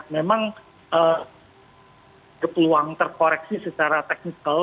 memang berpeluang terkoreksi secara teknikal